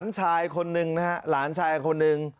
หลานชายคนหนึ่งนะครับหลานชายคนหนึ่ง